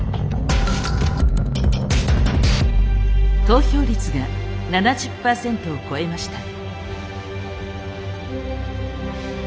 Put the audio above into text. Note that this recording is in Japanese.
投票率が７０％を超えました。